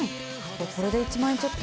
「これで１万円ちょっと」